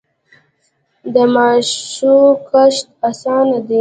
د ماشو کښت اسانه دی.